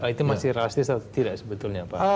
itu masih rasis atau tidak sebetulnya pak